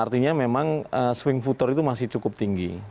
artinya memang swing voter itu masih cukup tinggi